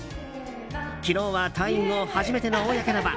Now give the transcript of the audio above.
昨日は退院後初めての公の場。